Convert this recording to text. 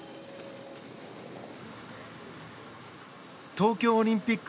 東京オリンピック